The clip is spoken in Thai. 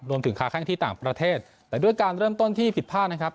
ค้าแข้งที่ต่างประเทศแต่ด้วยการเริ่มต้นที่ผิดพลาดนะครับ